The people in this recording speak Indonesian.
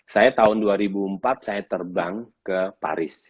saya tahun dua ribu empat saya terbang ke paris